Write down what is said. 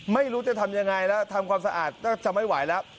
ไม่รู้จะทำยังไงแล้วทำความสะอาดก็จะไม่ไหวแล้ว